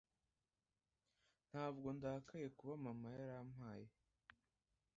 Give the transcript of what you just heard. ntabwo ndakaye kuba mama yarampaye